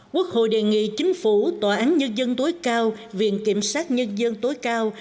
quốc hội đề nghị chính phủ tòa án nhân dân tối cao viện kiểm sát nhân dân tối cao